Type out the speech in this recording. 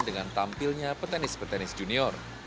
dengan tampilnya petenis petenis junior